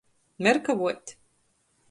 Merkavuot.